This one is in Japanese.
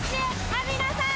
網野さん